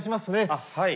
あっはい。